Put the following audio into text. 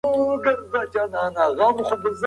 څوک د ډلي مشر دی؟